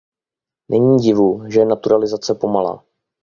Není divu, že je naturalizace pomalá.